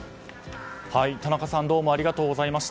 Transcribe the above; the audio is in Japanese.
田中さんどうもありがとうございました。